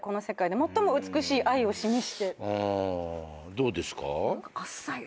どうですか？